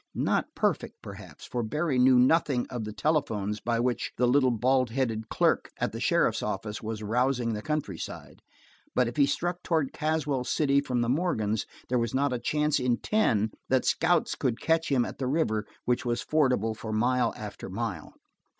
Not perfect, perhaps, for Barry knew nothing of the telephones by which the little bald headed clerk at the sheriff's office was rousing the countryside, but if he struck toward Caswell City from the Morgans, there was not a chance in ten that scouts would catch him at the river which was fordable for mile after mile.